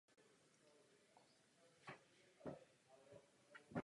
Dva měsíce po uvedení do kin byl zpřístupněn zdarma na platformě Stream.cz.